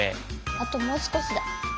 あともうすこしだ。